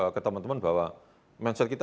keteman teman bahwa mindset kita